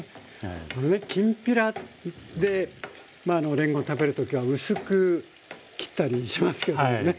このねきんぴらでれんこん食べる時は薄く切ったりしますけどもね。はい。